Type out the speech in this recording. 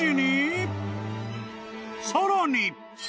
［さらに］